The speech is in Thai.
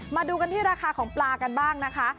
มาดูกันที่ราคาของปลากันบ้างนะคะ